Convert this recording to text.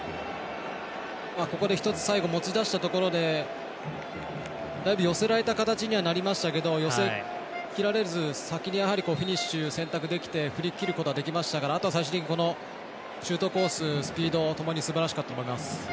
ここで一つ最後、持ち出したところでだいぶ寄せられた形にはなりましたけど寄せきられず、先にフィニッシュ選択できて振り切ることができましたからあとは最終的にシュートコーススピード、ともにすばらしかったと思います。